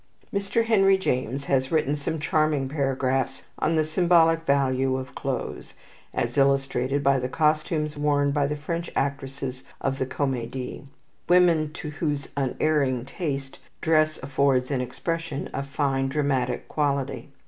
Mr. Henry James has written some charming paragraphs on the symbolic value of clothes, as illustrated by the costumes worn by the French actresses of the Comedie, women to whose unerring taste dress affords an expression of fine dramatic quality.